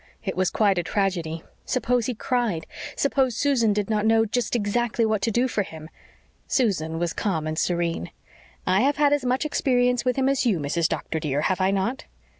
It was quite a tragedy. Suppose he cried? Suppose Susan did not know just exactly what to do for him? Susan was calm and serene. "I have had as much experience with him as you, Mrs. Doctor, dear, have I not?"